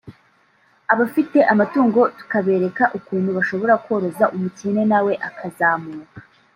abafite amatungo tukabereka ukuntu bashobora koroza umukene na we akazamuka”